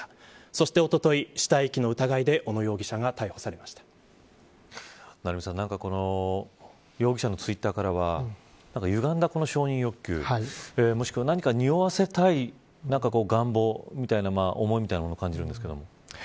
そして、おととい死体遺棄の疑いで小野容疑者が成三さん容疑者のツイッターからはゆがんだ承認欲求もしくは何かにおわせたい願望みたいなものを感じますが。